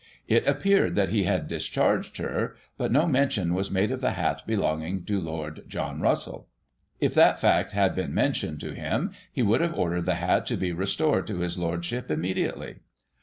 It appeared that he had discharged her, but no mention was made of the hat belonging to Lord John Russell. If that fact had been mentioned to him, he would have ordered the hat to be restored to his Lordship immediately.